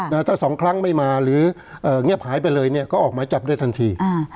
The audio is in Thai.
ถ้าสองครั้งไม่มาหรือเอ่อเงียบหายไปเลยเนี่ยก็ออกหมายจับได้ทันทีอ่า